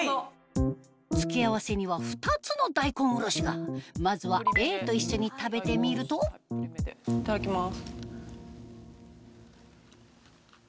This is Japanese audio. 付け合わせには２つの大根おろしがまずはＡと一緒に食べてみるといただきます。